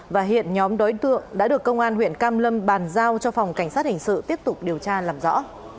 và hiện nhóm đối tượng đã được công an huyện cam lâm bàn giao cho phòng cảnh sát hình sự tiếp tục điều tra làm rõ